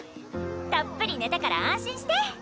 たっぷり寝たから安心して。